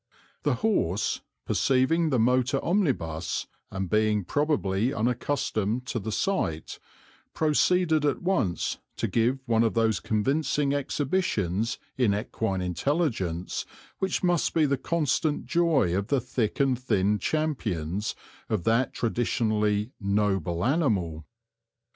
The horse, perceiving the motor omnibus, and being probably unaccustomed to the sight, proceeded at once to give one of those convincing exhibitions in equine intelligence which must be the constant joy of the thick and thin champions of that traditionally "noble animal."